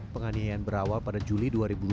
penganiayaan berawal pada juli dua ribu dua puluh